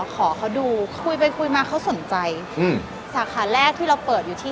ขอเขาดูคุยไปคุยมาเขาสนใจอืมสาขาแรกที่เราเปิดอยู่ที่